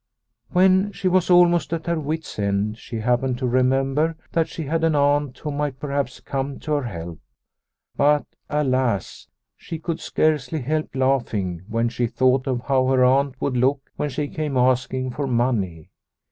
When she was almost at her wit's end she happened to remember that she had an aunt who might perhaps come to her help. But alas . She could scarcely help laughing when she 128 Liliecrona's Home thought of how her aunt would look when she came asking for money.